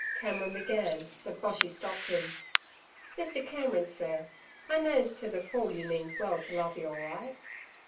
Cameron began, but Boshy stopped him. 'Mr. Cameron, sur, I knows ter ther full you means well ter Lovey all right.